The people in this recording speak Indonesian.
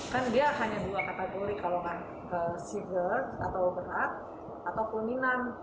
kan dia hanya dua kategori kalau kan seaford atau berat atau kuningan